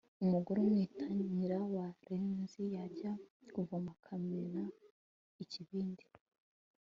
umugore umwita nyirabarenzi yajya kuvoma akamena ikibindi